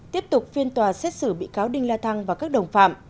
tiếp tục phiên tòa xét xử bị cáo đinh la thăng và các đồng phạm